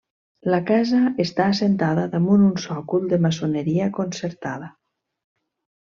La casa està assentada damunt un sòcol de maçoneria concertada.